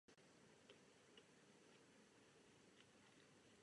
Narodil se v rodině správce knížecího velkostatku v Hořicích.